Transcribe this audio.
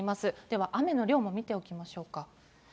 では雨の量も見ておきましょうか。